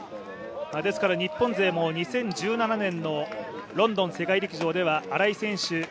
日本勢も２０１７年のロンドン世界陸上では荒井選手